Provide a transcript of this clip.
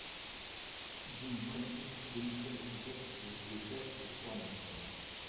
Jim Prentice démissionne de son poste de chef le soir même.